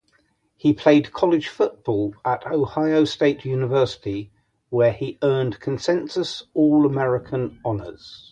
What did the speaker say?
He played college football at Ohio State University, where he earned consensus All-American honors.